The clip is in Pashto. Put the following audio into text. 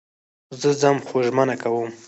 زه ځم خو ژمنه کوم